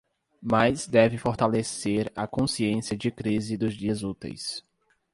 Mais deve fortalecer a consciência de crise dos dias úteis